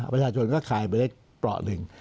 ประชาชนก็คลายไปได้เปราะหนึ่ง